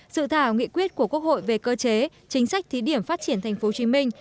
sự thảo nghị quyết của quốc hội về cơ chế chính sách thí điểm phát triển thành phố hồ chí minh